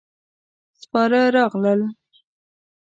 سپاره راغلل.